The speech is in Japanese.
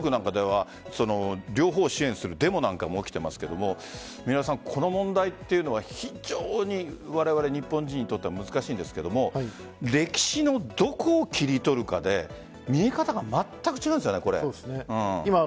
ニューヨークなんかでは両方を支援するデモなんかも起きていますがこの問題は、非常にわれわれ日本人にとって難しいですが歴史のどこを切り取るかで見え方がまったく違うんですよね。